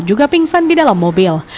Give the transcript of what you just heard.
juga pingsan di dalam mobil